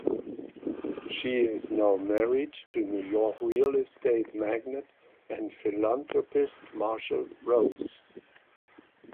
She is now married to New York real estate magnate and philanthropist Marshall Rose.